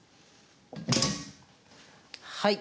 はい。